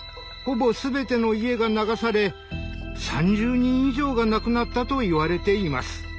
ほぼ全ての家が流され３０人以上が亡くなったといわれています。